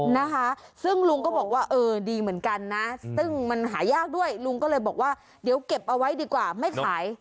นะคะซึ่งลุงก็บอกว่าเออดีเหมือนกันนะซึ่งมันหายากด้วยลุงก็เลยบอกว่าเดี๋ยวเก็บเอาไว้ดีกว่าไม่ขาย